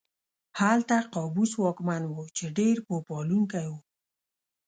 هلته قابوس واکمن و چې ډېر پوه پالونکی و.